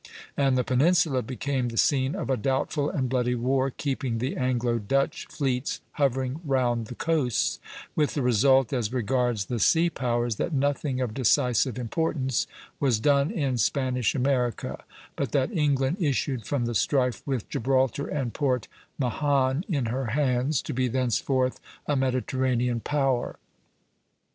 and the peninsula became the scene of a doubtful and bloody war, keeping the Anglo Dutch fleets hovering round the coasts; with the result, as regards the sea powers, that nothing of decisive importance was done in Spanish America, but that England issued from the strife with Gibraltar and Port Mahon in her hands, to be thenceforth a Mediterranean power.